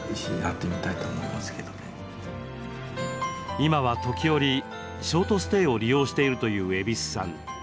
今は時折、ショートステイを利用しているという蛭子さん。